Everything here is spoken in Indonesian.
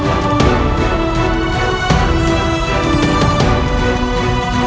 ada thing yang terjadi